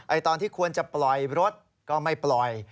ตอนที่ควรจะปล่อยรถก็ไม่ปล่อย